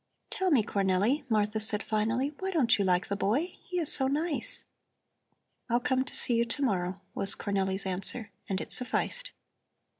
"Tell me, Cornelli," Martha said finally, "why don't you like the boy? He is so nice!" "I'll come to see you to morrow," was Cornelli's answer, and it sufficed.